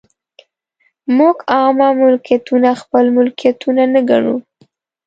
موږ عامه ملکیتونه خپل ملکیتونه نه ګڼو.